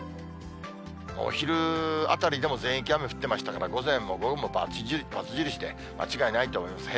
お昼あたりでも、全域雨降ってましたから、午前も午後も×印で間違いないと思います。